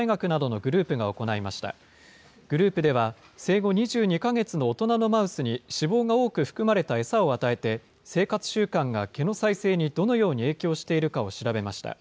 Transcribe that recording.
グループでは、生後２２か月の大人のマウスに、脂肪が多く含まれた餌を与えて、生活習慣が毛の再生にどのように影響しているかを調べました。